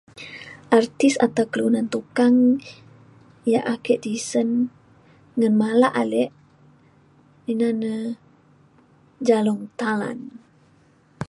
artis atau kelunan tukang yak ake tisen ngemalak ale ina na Jalong Talan.